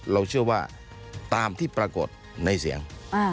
เราเชื่อว่าตามที่ปรากฏในเสียง